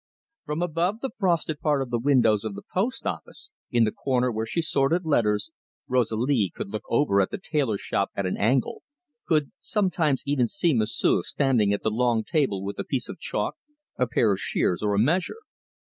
From above the frosted part of the windows of the post office, in the corner where she sorted letters, Rosalie could look over at the tailor's shop at an angle; could sometimes even see M'sieu' standing at the long table with a piece of chalk, a pair of shears, or a measure.